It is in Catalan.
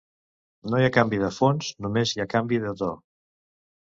No hi ha canvi de fons, només hi ha canvi de to.